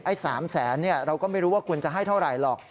๓แสนเราก็ไม่รู้ว่าคุณจะให้เท่าไหร่หรอก